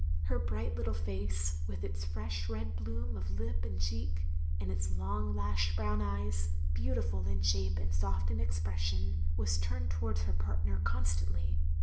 Her bright little face — ^with its fresh red bloom of lip and cheek, and its long lashed brown eyes, beautiftd in shape and soft in expression — ^was turned towards her partner constantly.